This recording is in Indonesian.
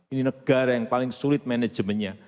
ini negara yang paling sulit manajemennya